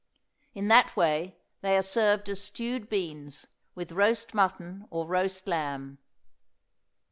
In that way they are served as stewed beans, with roast mutton or roast lamb.